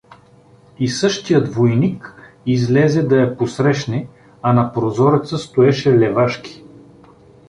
И същият войник излезе да я посрещне, а на прозореца стоеше Левашки.